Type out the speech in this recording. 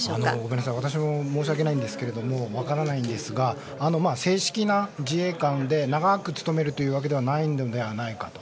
私も申し訳ないんですが分からないんですが正式な自衛官で長く勤めるというわけではないのではないかと。